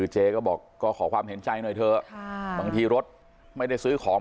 เจ๊ก็บอกก็ขอความเห็นใจหน่อยเถอะบางทีรถไม่ได้ซื้อของ